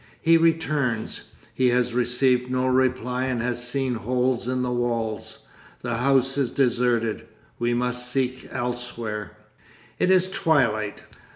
He returns; he has received no reply and has seen holes in the walls. The house is deserted. We must seek elsewhere. It is twilight.